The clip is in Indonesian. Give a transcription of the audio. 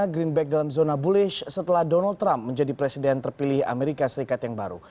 greenback dalam zona bullych setelah donald trump menjadi presiden terpilih amerika serikat yang baru